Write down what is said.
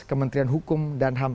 kementerian hukum dan ham